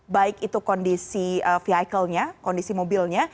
baik itu kondisi vehiclenya kondisi mobilnya